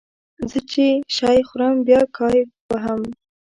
زه چې شی خورم بیا کای وهم